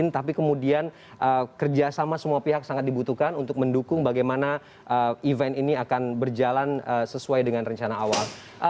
tapi kemudian kerjasama semua pihak sangat dibutuhkan untuk mendukung bagaimana event ini akan berjalan sesuai dengan rencana awal